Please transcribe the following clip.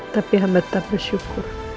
tapi saya tetap bersyukur